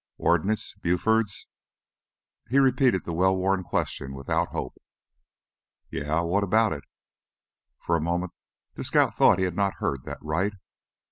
"Ordnance? Buford's?" He repeated the well worn question without hope. "Yeah, what about it?" For a moment the scout thought he had not heard that right.